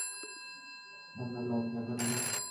আপনার লজ্জা করে না?